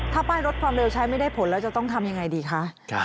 ถ้าป้ายรถความเร็วใช้ไม่ได้ผลแล้วจะต้องทำยังไงดีคะ